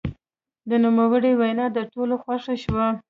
د نوموړي وینا د ټولو خوښه شوه.